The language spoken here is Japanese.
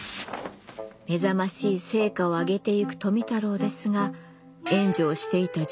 目覚ましい成果を上げてゆく富太郎ですが援助をしていた実家は倒産。